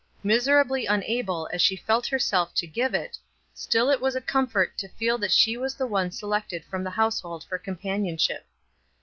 Miserably unable as she felt herself to give it, still it was a comfort to feel that she was the one selected from the household for companionship.